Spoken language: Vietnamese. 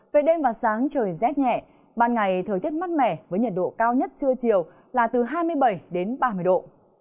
về đêm và sáng trời rét nhẹ ban ngày thời tiết mát mẻ với nhiệt độ cao nhất trưa chiều là từ hai mươi bảy đến ba mươi độ